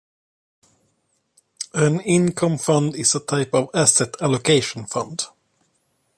An income fund is a type of asset allocation fund.